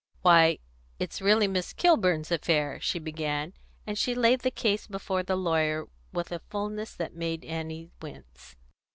"Why, it's really Miss Kilburn's affair," she began; and she laid the case before the lawyer with a fulness that made Annie wince.